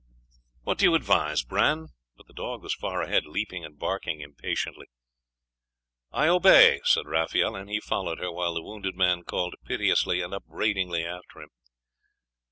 'What do you advise, Bran?' But the dog was far ahead, leaping and barking impatiently. 'I obey,' said Raphael; and he followed her, while the wounded man called piteously and upbraidingly after him.